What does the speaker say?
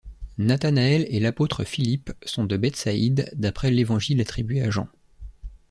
Nathanaël et l'apôtre Philippe sont de Bethsaïde d'après l'évangile attribué à Jean.